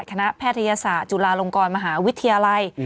แพทยศาสตร์จุฬาลงกรมหาวิทยาลัย